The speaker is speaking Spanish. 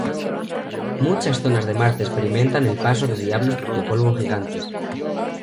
Muchas zonas de Marte experimentan el paso de diablos de polvo gigantes.